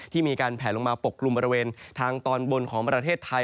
มีการแผลลงมาปกกลุ่มบริเวณทางตอนบนของประเทศไทย